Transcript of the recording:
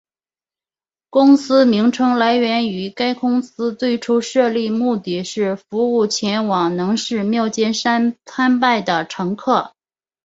公司名称来源于该公司最初设立目的是服务前往能势妙见山参拜的乘客。